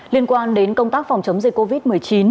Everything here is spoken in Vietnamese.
liên quan đến công tác phòng chống dịch covid một mươi chín